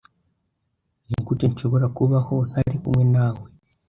Nigute nshobora kubaho ntari kumwe nawe